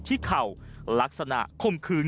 มันกลับมาแล้ว